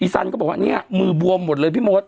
สันก็บอกว่าเนี่ยมือบวมหมดเลยพี่มด